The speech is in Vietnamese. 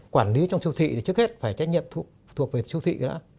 quản lý trong siêu thị thì trước hết phải trách nhiệm thuộc về siêu thị nữa